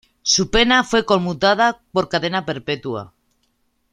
Su pena fue conmutada por cadena perpetua.